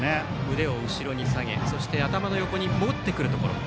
腕を後ろに下げそして頭の横に持ってくるところ。